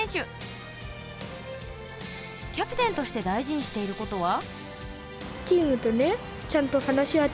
キャプテンとして大事にしていることは？